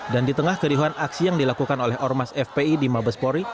dan di tengah kerihan aksi yang dilakukan oleh ormas fpi di mabespori